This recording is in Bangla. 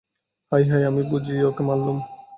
হায় হায়, আমিই বুঝি ওকে মারলুম।